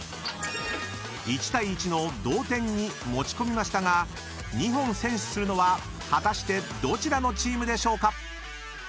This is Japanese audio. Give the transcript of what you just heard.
［１対１の同点に持ち込みましたが２本先取するのは果たしてどちらのチームでしょうか？］